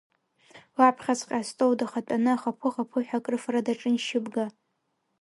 Лаԥхьаҵәҟьа астол дахатәаны ахаԥы-хаԥыҳәа акрыфара даҿын Шьыбга.